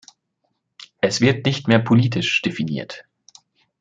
Es wird nicht mehr politisch definiert.